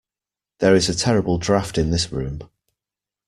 There is a terrible draught in this room